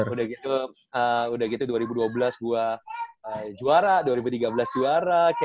udah gitu udah gitu dua ribu dua belas gue juara dua ribu tiga belas juara kayak gue kayak feel